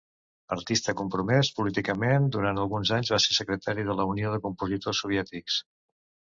Artista compromès políticament, durant alguns anys va ser secretari de la Unió de Compositors Soviètics.